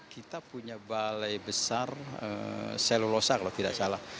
kita punya balai besar selulosa kalau tidak salah